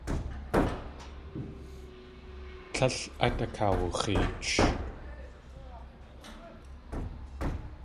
Tlél át akawux̲eech.